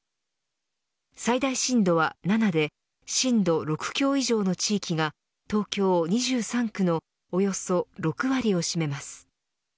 最大震度は７で震度６強以上の地域が東京２３区のおよそ６割を占めます。